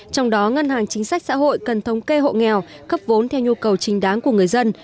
trong đó ngân hàng chính sách xã hội cần thống kê hộ nghèo cấp vốn theo nhu cầu trình đáng của người dân